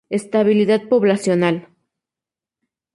Estabilidad poblacional.